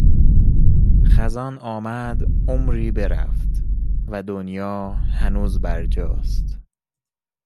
خزان آمد عمری برفت و دنیا هنوز برجاست